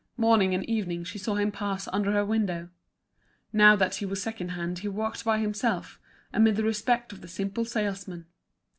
Morning and evening she saw him pass under her window. Now that he was second hand he walked by himself, amid the respect of the simple salesmen.